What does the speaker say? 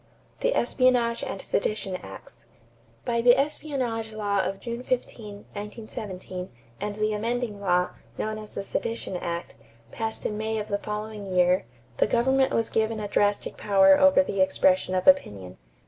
=The Espionage and Sedition Acts.= By the Espionage law of June 15, 1917, and the amending law, known as the Sedition act, passed in May of the following year, the government was given a drastic power over the expression of opinion.